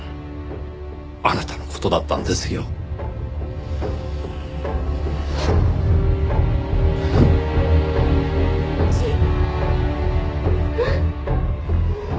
あなたの事だったんですよ。うう。